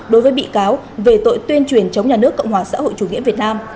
đối với bị cáo về tội tuyên truyền chống nhà nước cộng hòa xã hội chủ nghĩa việt nam